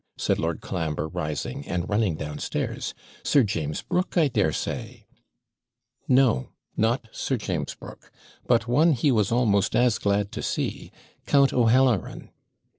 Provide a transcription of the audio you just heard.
said Lord Colambre, rising, and running downstairs. 'Sir James Brooke, I daresay.' No, not Sir James Brooke; but one he was almost as glad to see Count O'Halloran!